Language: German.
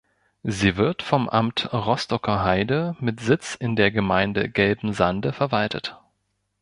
Sie wird vom Amt Rostocker Heide mit Sitz in der Gemeinde Gelbensande verwaltet.